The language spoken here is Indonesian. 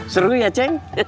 seru ya ceng